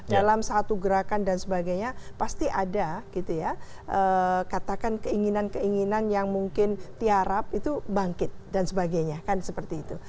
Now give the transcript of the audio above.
dalam satu gerakan dan sebagainya pasti ada gitu ya katakan keinginan keinginan yang mungkin tiarap itu bangkit dan sebagainya kan seperti itu